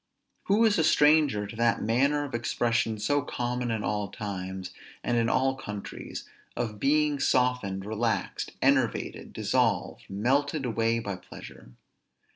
Who is a stranger to that manner of expression so common in all times and in all countries, of being softened, relaxed, enervated, dissolved, melted away by pleasure?